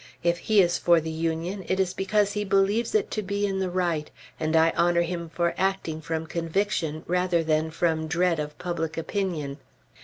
If he is for the Union, it is because he believes it to be in the right, and I honor him for acting from conviction, rather than from dread of public opinion.